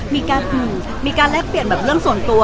มีการคุณมีการลักเปลี่ยนแบบเรื่องส่วนตัว